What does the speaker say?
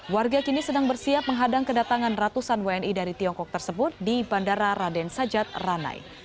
warga kini sedang bersiap menghadang kedatangan ratusan wni dari tiongkok tersebut di bandara raden sajat ranai